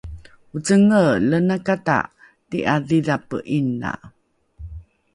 Ocengeelenakata ti'adhidhape 'ina!